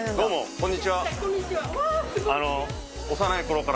こんにちは。